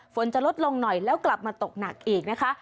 ฝนจะลดลงหน่อยแล้วกลับมาตกหนักอีกนะคะ